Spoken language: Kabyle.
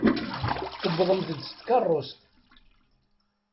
Tuwḍemt-d s tkeṛṛust.